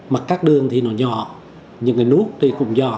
mặt các đường thì nó nhỏ những cái nút thì cũng nhỏ